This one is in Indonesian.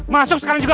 masuk sekarang juga